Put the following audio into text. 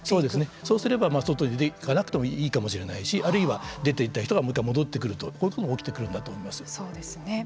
そうすれば外に出ていかなくてもいいかもしれないしあるいは出ていった人がもう一回、戻ってくるこういうふうに思います。